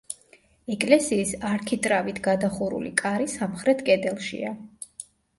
ეკლესიის არქიტრავით გადახურული კარი სამხრეთ კედელშია.